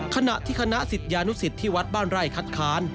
ขณะที่คณะศิษยานุสิตที่วัดบ้านไร่คัดค้าน